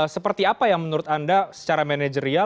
seperti apa yang menurut anda secara manajerial